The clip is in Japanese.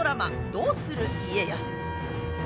「どうする家康」。